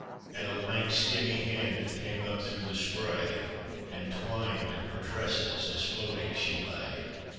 And a lank, skinny hand, that cnme up through the spray, And twined in her tresses, as floating she lay.